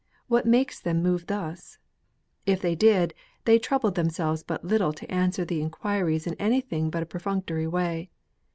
What makes them move thus ? If they did, they troubled themselves but little to answer the inquiries in anything but a perfunctory way.